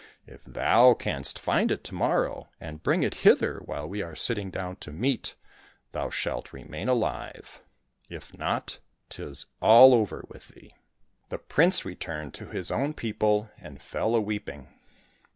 If thou canst find it to morrow, and bring it hither while we are sitting down to meat, thou shalt remain alive ; if not, 'tis all over with thee !" S 273 COSSACK FAIRY TALES The prince returned to his own people and fell a weeping.